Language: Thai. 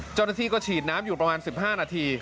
เจ้าหน้าที่ก็ฉีดน้ำอยู่ประมาณ๑๕นาที